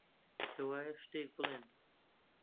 کەوایە، شتێک بڵێن!